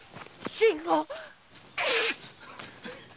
信吾！